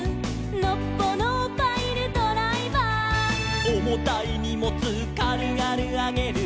「のっぽのパイルドライバー」「おもたいにもつかるがるあげる」